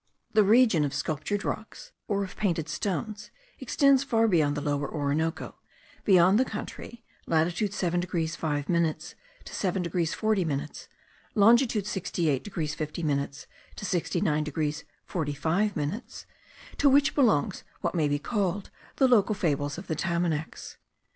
The region of sculptured rocks, or of painted stones, extends far beyond the Lower Orinoco, beyond the country (latitude 7 degrees 5 minutes to 7 degrees 40 minutes, longitude 68 degrees 50 minutes to 69 degrees 45 minutes) to which belongs what may be called the local fables of the Tamanacs.